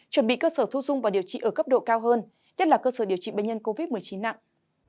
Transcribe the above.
chuẩn bị cơ sở thu dung và điều trị ở cấp độ cao hơn nhất là cơ sở điều trị bệnh nhân covid một mươi chín nặng